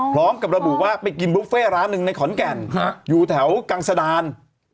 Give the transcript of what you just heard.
พร้อมกับระบุว่าไปกินบุฟเฟ่ร้านหนึ่งในขอนแก่นอยู่แถวกังสดาน